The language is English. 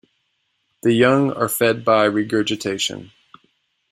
The young are fed by regurgitation.